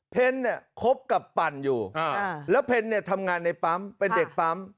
เนี่ยคบกับปั่นอยู่แล้วเพนเนี่ยทำงานในปั๊มเป็นเด็กปั๊ม